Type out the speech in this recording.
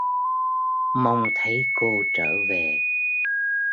Mong thấy cô trở về